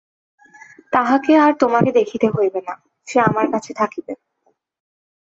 তাহাকে আর তোমাকে দেখিতে হইবে না– সে আমার কাছে থাকিবে!